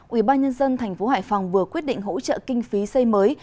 ubnd tp hải phòng vừa quyết định hỗ trợ kinh phí xây mới